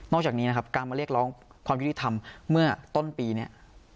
อกจากนี้นะครับการมาเรียกร้องความยุติธรรมเมื่อต้นปีนี้